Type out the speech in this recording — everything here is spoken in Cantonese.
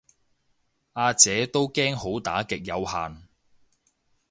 呀姐都驚好打極有限